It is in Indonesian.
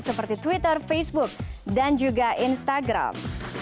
seperti twitter facebook dan juga instagram